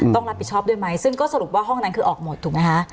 ต้องรับผิดชอบด้วยไหมซึ่งก็สรุปว่าห้องนั้นคือออกหมดถูกไหมคะ